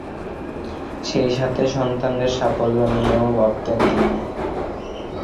সেইসাথে সন্তানদের সাফল্য নিয়েও ভাবতেন তিনি।